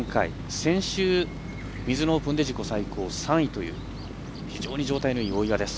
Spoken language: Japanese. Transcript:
先週、ミズノオープンで自己最高３位という非常に状態のいい大岩です。